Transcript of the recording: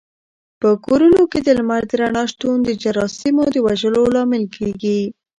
په کورونو کې د لمر د رڼا شتون د جراثیمو د وژلو لامل کېږي.